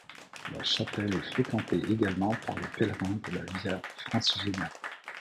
La chapelle est fréquentée également par les pèlerins de la Via francigena.